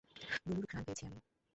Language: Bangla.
লুলুর ঘ্রাণ পেয়েছি আমি।